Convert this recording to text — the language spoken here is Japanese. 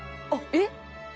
えっ！？